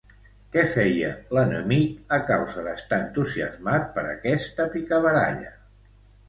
Què feia, l'enemic, a causa d'estar entusiasmat per aquesta picabaralla?